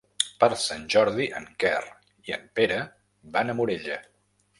Per Sant Jordi en Quer i en Pere van a Morella.